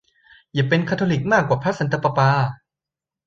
อย่าเป็นคาทอลิกมากกว่าพระสันตะปาปา